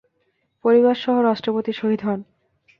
পরিবারসহ রাষ্ট্রপতি শহীদ হন।